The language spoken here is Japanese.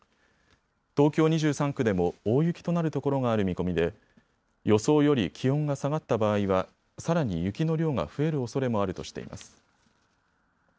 東京２３区でも大雪となる所がある見込みで予想より気温が下がった場合はさらに雪の量が増えるおそれもあるとしています。